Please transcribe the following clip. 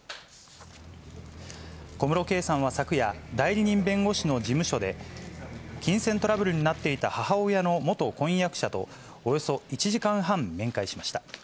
小室圭さんは昨夜、代理人弁護士の事務所で、金銭トラブルになっていた母親の元婚約者と、およそ１時間半、面会しました。